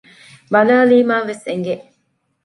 ބަލާލީމައިވެސް އެނގެ